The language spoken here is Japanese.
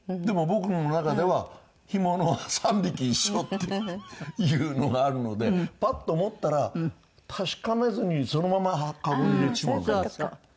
でも僕の中では干物は３匹一緒っていうのがあるのでパッと持ったら確かめずにそのままかごに入れてしまうので。